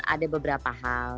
ada beberapa hal